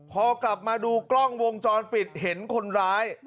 พอกลับมาดูกล้องวงจรปิดเห็นคนร้าย